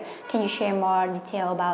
và chúng tôi phải làm rất nhiều điều